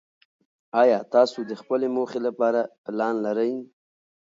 ایا تاسو د خپلې موخې لپاره پلان لرئ؟